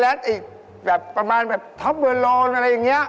หมายถึงโชโกแลตแบบประมาณอย่างทับเวอร์โยนอะไรอย่างนี้